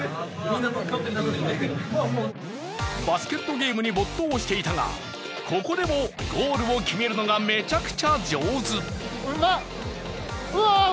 バスケットゲームに没頭していたが、ここでもゴールを決めるのがめちゃくちゃ上手！